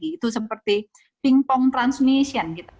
itu seperti ping pong transmission